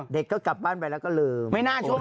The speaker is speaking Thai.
เด็กก็กลับบ้านไปแล้วก็ลืม